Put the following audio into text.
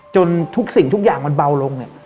จนทุกสิ่งทุกอย่างมันเบาลงเนี่ย